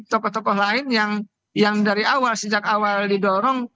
tokoh tokoh lain yang dari awal sejak awal didorong